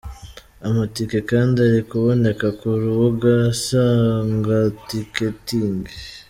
Amatike kandi ari kuboneka ku rubuga esangeticketing.